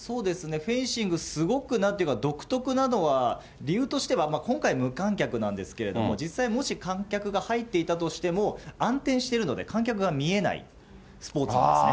フェンシング、すごくなんというか、独特なのは、理由としては今回、無観客なんですけれども、実際、もし観客が入っていたとしても、暗転してるので、観客が見えないスポーツなんですね。